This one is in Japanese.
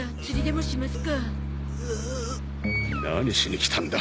何しに来たんだ